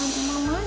ya udah mama doain